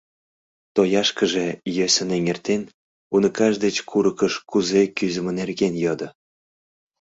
Тояшкыже йӧсын эҥертен, уныкаж деч курыкыш кузе кӱзымӧ нерген йодо.